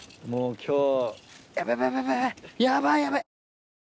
もう今日。